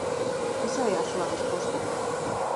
¿Esa é a súa resposta?